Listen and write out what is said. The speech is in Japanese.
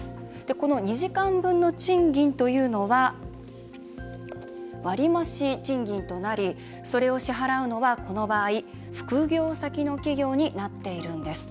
この２時間分の賃金というのは割り増し賃金となりそれを支払うのは、この場合副業先の企業になっているんです。